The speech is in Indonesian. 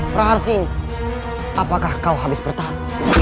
praharsin apakah kau habis bertahan